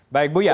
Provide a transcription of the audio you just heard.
baik bu ya